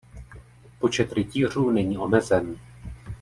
Počet rytířů není omezen.